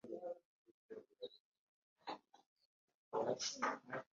Abeera kukyalo Nkoko Njeru ekisangibwa mukibuga kye Mukono.